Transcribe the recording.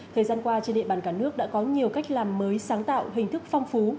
thời gian qua trên địa bàn cả nước đã có nhiều cách làm mới sáng tạo hình thức phong phú